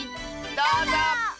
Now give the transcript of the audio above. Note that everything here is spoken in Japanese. どうぞ！